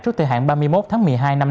trước thời hạn ba mươi một tháng một mươi hai